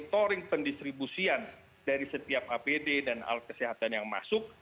storing pendistribusian dari setiap apd dan alat kesehatan yang masuk